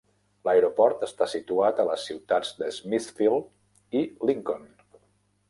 L'aeroport està situat a les ciutats de Smithfield i Lincoln.